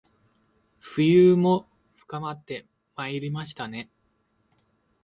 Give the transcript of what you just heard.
冬も深まってまいりましたね